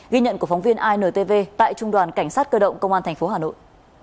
ghi nhận của phóng viên intv tại trung đoàn cảnh sát cơ động công an tp hà nội